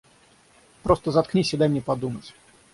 Просто заткнись и дай мне подумать!